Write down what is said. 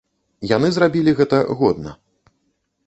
Яны зрабілі гэта годна.